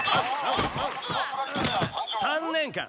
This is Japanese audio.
「３年間！」